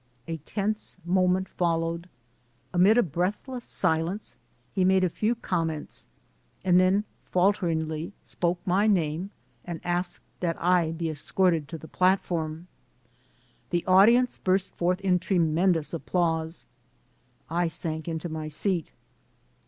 A tense moment fol lowed. Amid a breathless silence, he made a few 174THE SOUL OP AN IMMIGRANT comments and then falteringly spoke my name and asked that I be escorted to the platform. The au dience burst forth in tremendous applause. I sank into my seat.